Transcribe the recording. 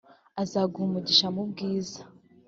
azaguha umugisha mu bwiza